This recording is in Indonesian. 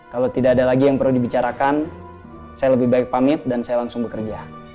kalau tidak ada lagi yang perlu dibicarakan saya lebih baik pamit dan saya langsung bekerja